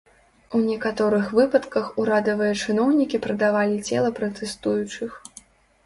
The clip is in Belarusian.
У некаторых выпадках урадавыя чыноўнікі прадавалі цела пратэстуючых.